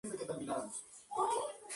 El mánager campeón fue Pedro Guerrero.